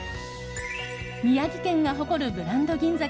宮城県が誇るブランド銀鮭